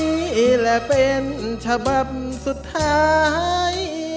นี่แหละเป็นฉบับสุดท้าย